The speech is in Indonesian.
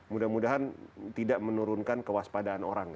mudah mudahan tidak menurunkan kewaspadaan orang